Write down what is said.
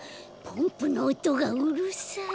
ポンプのおとがうるさい。